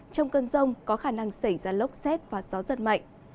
trong cơn rông có khả năng xảy ra lốc xét và gió giật mạnh